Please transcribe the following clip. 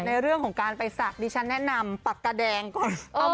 ในเรื่องของการไปสักดิฉันแนะนำปักกะแดงก่อน